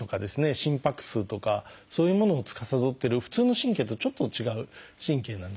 心拍数とかそういうものをつかさどってる普通の神経とちょっと違う神経なんですね。